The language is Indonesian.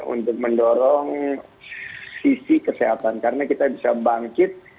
untuk mendorong sisi kesehatan karena kita bisa bangkit